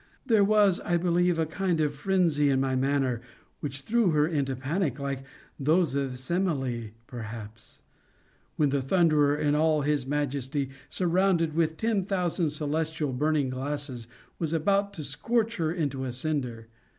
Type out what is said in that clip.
There was, I believe, a kind of phrensy in my manner, which threw her into a panic, like that of Semele perhaps, when the Thunderer, in all his majesty, surrounded with ten thousand celestial burning glasses, was about to scorch her into a cinder.